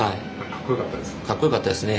かっこよかったですか？